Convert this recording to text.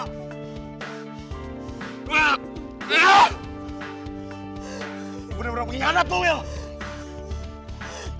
gue udah berapa ingat tuh wil